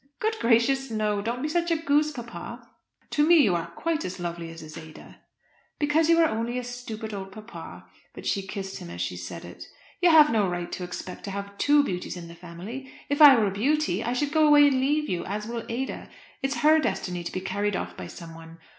"Good gracious, no! Don't be such a goose, papa." "To me you are quite as lovely as is Ada." "Because you are only a stupid, old papa," but she kissed him as she said it. "You have no right to expect to have two beauties in the family. If I were a beauty I should go away and leave you, as will Ada. It's her destiny to be carried off by someone.